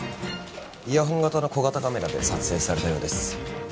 イヤホン型の小型カメラで撮影されたようです